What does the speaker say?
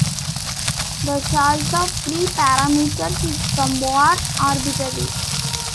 The choice of free parameters is somewhat arbitrary.